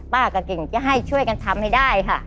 กับกิ่งจะให้ช่วยกันทำให้ได้ค่ะ